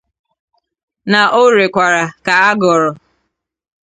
na o rekwara ka a gọrọ